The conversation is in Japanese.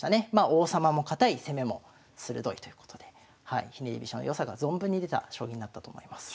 王様も堅い攻めも鋭いということでひねり飛車の良さが存分に出た将棋になったと思います。